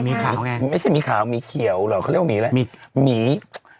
มีขาวไงไม่ใช่มีขาวมีเขียวหรอกเขาเรียกว่ามีอะไร